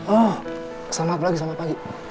oh selamat pagi